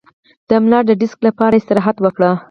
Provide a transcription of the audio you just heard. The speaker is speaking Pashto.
د ملا د ډیسک لپاره استراحت وکړئ